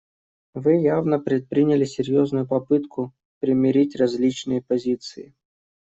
Вы явно предприняли серьезную попытку примирить различные позиции.